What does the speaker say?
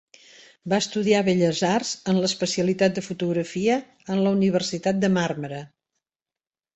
Va estudiar Belles Arts en l'especialitat de fotografia en la Universitat de Màrmara.